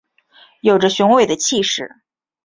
有著雄伟的气势